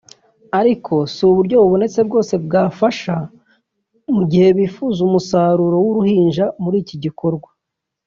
ariko si uburyo bubonetse bwose bwafasha mu gihe bifuza umusaruro w’uruhinja muri iki gikorwa […]